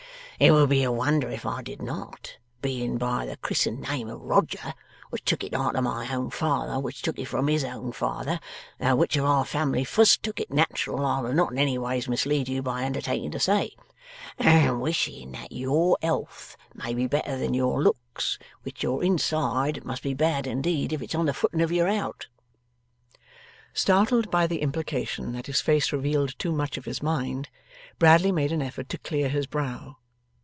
It would be a wonder if I did not, being by the Chris'en name of Roger, which took it arter my own father, which took it from his own father, though which of our fam'ly fust took it nat'ral I will not in any ways mislead you by undertakin' to say. And wishing that your elth may be better than your looks, which your inside must be bad indeed if it's on the footing of your out.' Startled by the implication that his face revealed too much of his mind, Bradley made an effort to clear his brow.